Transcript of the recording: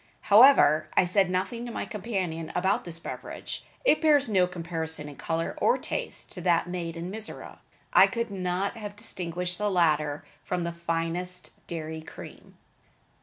However, I said nothing to my companion about this beverage. It bears no comparison in color or taste to that made in Mizora. I could not have distinguished the latter from the finest dairy cream.